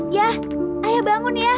ya ayah bangun ya